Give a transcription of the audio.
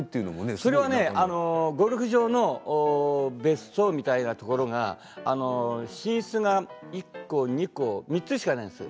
それはゴルフ場の別荘みたいなところの寝室が１個、２個、３つしかないんですよ。